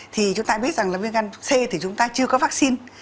thì chúng ta biết rằng là viêm gan c thì chúng ta chưa có vaccine